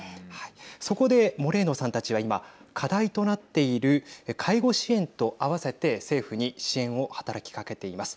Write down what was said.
そこでモレーノさんたちは今課題となっている介護支援と合わせて政府に支援を働きかけています。